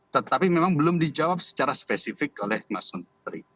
tetapi memang belum dijawab secara spesifik oleh mas menteri